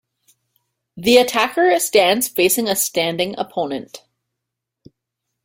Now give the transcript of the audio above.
The attacker stands facing a standing opponent.